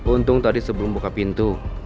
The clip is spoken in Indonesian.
untung tadi sebelum buka pintu